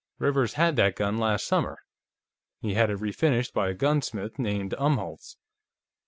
"Rivers had that gun last summer. He had it refinished by a gunsmith named Umholtz.